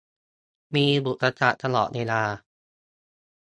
มีอุปสรรคตลอดเวลา